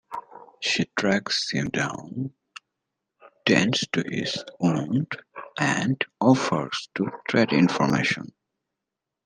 She tracks him down, tends to his wound, and offers to trade information.